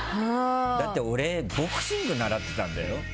だって俺ボクシング習ってたんだよ。